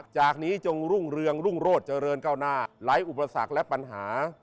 จากนี้จงรุ่งเรืองรุ่งโรธเจริญก้าวหน้าไร้อุปสรรคและปัญหา